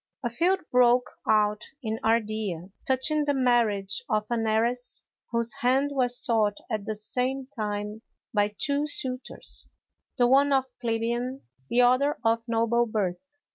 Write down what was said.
_ A feud broke out in Ardea touching the marriage of an heiress, whose hand was sought at the same time by two suitors, the one of plebeian, the other of noble birth.